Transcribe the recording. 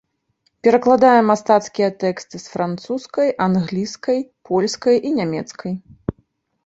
Перакладае мастацкія тэксты з французскай, англійскай, польскай і нямецкай.